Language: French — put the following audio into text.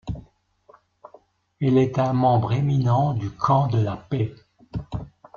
Elle est un membre éminent du camp de la paix.